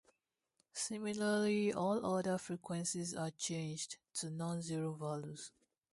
Similarly, all other frequencies are changed to non-zero values.